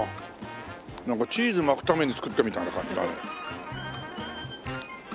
なんかチーズ巻くために作ったみたいな感じだね。